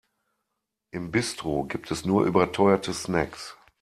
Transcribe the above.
Im Bistro gibt es nur überteuerte Snacks.